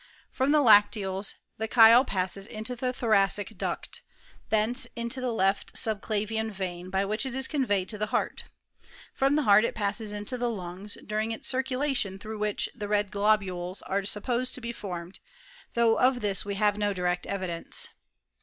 From the lacteals the chyle passes into the tlio* OF THE PRESENT STATE OF CHEMISTRY. 321 racic duct; thence into the left subclavian vein, by which it is conveyed to the heart. From the heart it passes into the lungs, during its circulation through which the red globules are supposed to be formed, though of this we have no direct evidence.